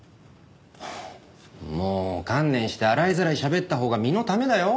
もう観念して洗いざらいしゃべったほうが身のためだよ。